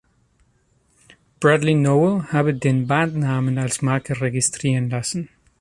Bradley Nowell habe den Bandnamen als Marke registrieren lassen.